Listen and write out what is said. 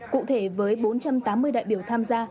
cụ thể với bốn trăm tám mươi đại biểu tham gia